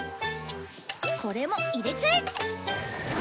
これも入れちゃえ！